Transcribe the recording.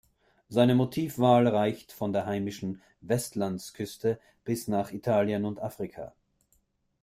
Seine Motivwahl reicht von der heimischen Vestlands-Küste bis nach Italien und Afrika.